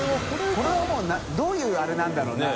もうどういうあれなんだろうな？